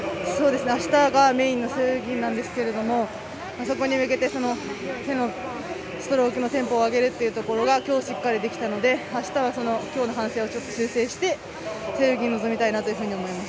あしたがメインの背泳ぎなんですけれどもそこに向けて手のストロークのテンポを上げるということがきょう、しっかりできたのであしたはきょうの反省を修正して背泳ぎに臨みたいなと思います。